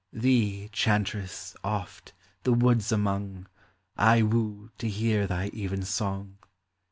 Thee, chantress, oft, the woods among, I woo, to hear thy even song.